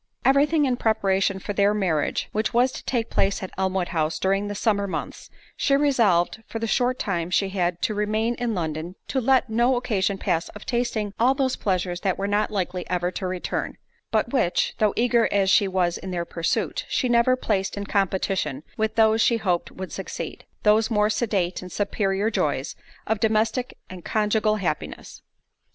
Everything in preparation for their marriage, which was to take place at Elmwood House during the summer months, she resolved for the short time she had to remain in London to let no occasion pass of tasting all those pleasures that were not likely ever to return; but which, though eager as she was in their pursuit, she never placed in competition with those she hoped would succeed—those more sedate and superior joys, of domestic and conjugal happiness.